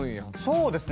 そうですね。